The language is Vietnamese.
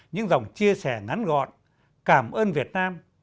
những dòng chia sẻ ngắn gọn cảm ơn việt nam